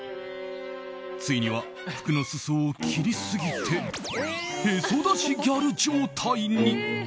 ついには服の裾を切りすぎてへそ出しギャル状態に。